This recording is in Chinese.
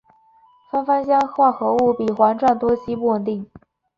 反芳香化合物比环状多烯不稳定。